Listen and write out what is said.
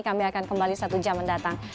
kami akan kembali satu jam mendatang